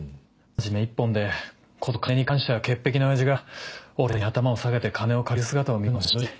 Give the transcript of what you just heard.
真面目一本でこと金に関しては潔癖の親父が俺に頭を下げて金を借りる姿を見るのもしんどいし。